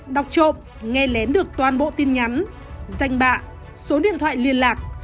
đọc trộm nghe lén được toàn bộ tin nhắn danh bạ số điện thoại liên lạc